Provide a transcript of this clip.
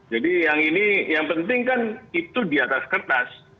jadi yang ini yang penting kan itu di atas kertas